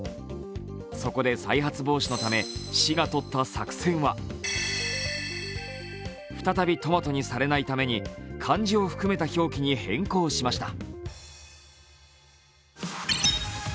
そこで再発防止のため市がとった作戦は再び「トマト」にされないために漢字を含めた表記に変更しました。